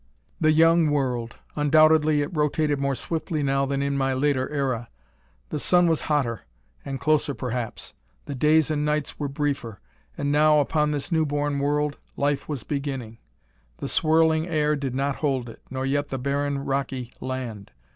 The young world. Undoubtedly it rotated more swiftly now than in my later era. The sun was hotter, and closer perhaps: the days and nights were briefer. And now, upon this new born world, life was beginning. The swirling air did not hold it, nor yet the barren rocky land.